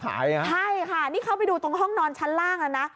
ใช่ค่ะนี่เข้าไปดูตรงห้องนอนชั้นล่างแล้วนะ